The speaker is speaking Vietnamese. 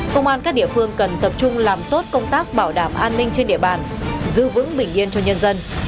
công an các địa phương cần tập trung làm tốt công tác bảo đảm an ninh trên địa bàn giữ vững bình yên cho nhân dân